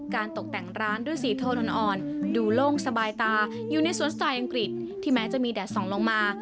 ตกแต่งร้านด้วยสีโทนอ่อนดูโล่งสบายตาอยู่ในสวนสายอังกฤษที่แม้จะมีแดดส่องลงมา